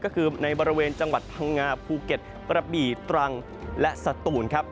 ก็คือในบริเวณจังหวัดพังงาภูเก็ตกระบี่ตรังและสตูนครับ